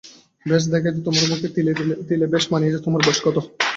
বেশ দেখায় তো তোমার মুখে, তিলে বেশ মানিয়েছে, তোমার বয়স কত?